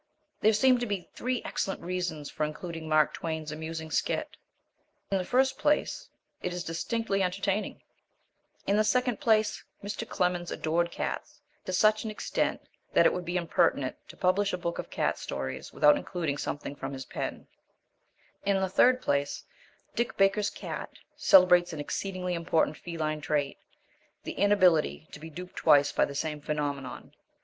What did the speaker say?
There seem to be three excellent reasons for including Mark Twain's amusing skit: in the first place it is distinctly entertaining; in the second place Mr. Clemens adored cats to such an extent that it would be impertinent to publish a book of cat stories without including something from his pen; in the third place Dick Baker's Cat celebrates an exceedingly important feline trait, the inability to be duped twice by the same phenomenon.